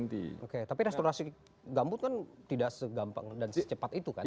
tapi restorasi gambut kan tidak segampang dan secepat itu kan